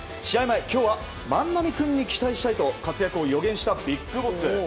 前、今日は万波君に期待したいと活躍を予言したＢＩＧＢＯＳＳ。